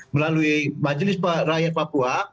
melalui majelis rakyat papua